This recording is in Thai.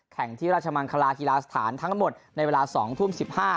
แข่งที่ราชมังคลาฮีลาสถานทั้งหมดในเวลา๒ทุ่ม๑๕